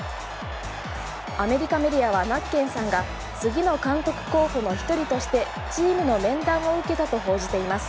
アメリカメディアはナッケンさんが次の監督候補の１人としてチームの面談を受けたと報じています。